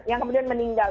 yang kemudian meninggal